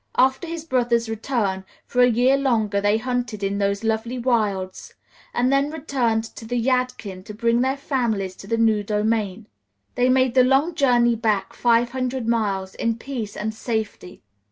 After his brother's return, for a year longer they hunted in those lovely wilds, and then returned to the Yadkin to bring their families to the new domain. They made the long journey back, five hundred miles, in peace and safety.